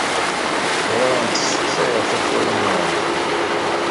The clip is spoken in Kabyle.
Ur awent-ssexsayeɣ takurin-nwent.